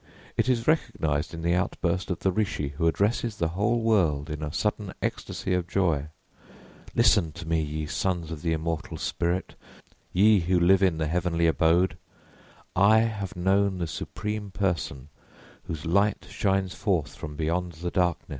It is recognised in the outburst of the Rishi, who addresses the whole world in a sudden ecstasy of joy: _Listen to me, ye sons of the immortal spirit, ye who live in the heavenly abode, I have known the Supreme Person whose light shines forth from beyond the darkness.